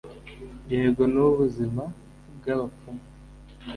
Yego Nubuzima bwabapfumu